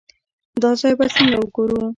دا ځای به څنګه وګورو.